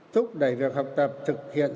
thúc đẩy việc học tập thực hiện